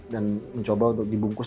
dan mencoba untuk dibungkus